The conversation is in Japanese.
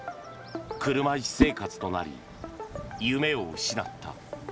車椅子生活となり夢を失った。